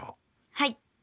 はい。